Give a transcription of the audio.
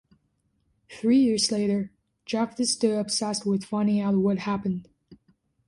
Three years later, Jeff is still obsessed with finding out what happened.